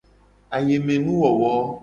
Ayemenuwowo.